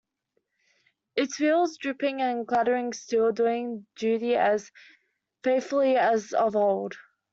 Its wheel is dripping and clattering still, doing duty as faithfully as of old.